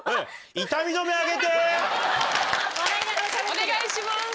お願いします。